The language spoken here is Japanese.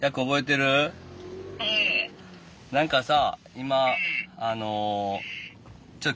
何かさ